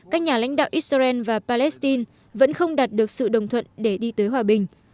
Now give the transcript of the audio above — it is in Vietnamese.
các nhà lãnh đạo israel và palestine vẫn không đạt được sự đồng thuận để đi tới hòa bình